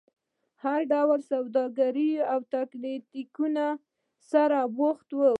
له ډول ډول سوداګریو او تاکتیکونو سره بوخت دي.